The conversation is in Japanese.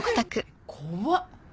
怖っ！